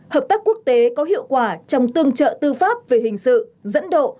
hợp tác quốc tế có hiệu quả trong tương trợ tư pháp về hình sự dẫn độ